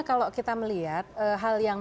kalau kita melihat hal yang